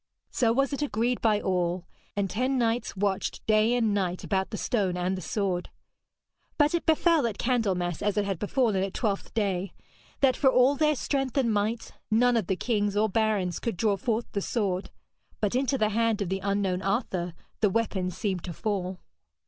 So was it agreed by all, and ten knights watched day and night about the stone and the sword. But it befell at Candlemas as it had befallen at Twelfth Day, that for all their strength and might, none of the kings or barons could draw forth the sword; but into the hand of the unknown Arthur the weapon seemed to fall.